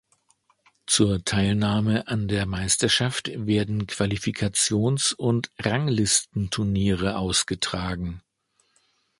Zur Teilnahme an der Meisterschaft werden Qualifikations- und Ranglistenturniere ausgetragen.